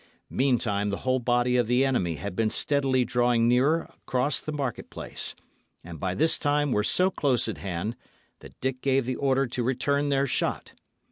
Meantime the whole body of the enemy had been steadily drawing nearer across the market place; and by this time were so close at hand that Dick gave the order to return their shot.